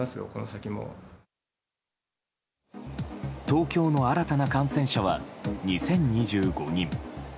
東京の新たな感染者は２０２５人。